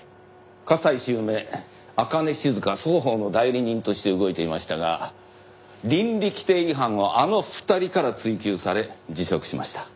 加西周明朱音静双方の代理人として動いていましたが倫理規定違反をあの２人から追及され辞職しました。